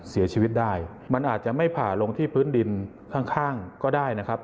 เสียชีวิตได้มันอาจจะไม่ผ่าลงที่พื้นดินข้างก็ได้นะครับ